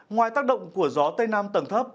ngoài tác động của gió tây nam tầng thấp